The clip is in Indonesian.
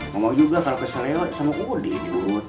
ngomong juga kalau kesal lewat sama udin